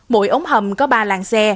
mỗi ống hầm có ba làng xe